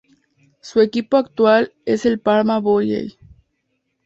Su equipo actual es el Parma Volley.